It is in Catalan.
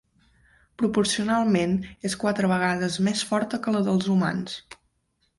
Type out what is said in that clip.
Proporcionalment, és quatre vegades més forta que la dels humans.